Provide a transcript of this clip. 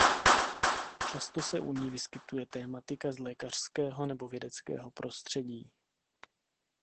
Často se u ní vyskytuje tematika z lékařského nebo vědeckého prostředí.